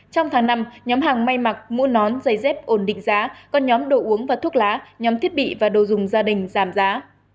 trong tháng năm nhóm hàng may mặc mũ nón giày dép ổn định giá còn nhóm đồ uống và thuốc lá nhóm thiết bị và đồ dùng gia đình giảm giá